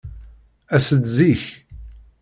As-d zik.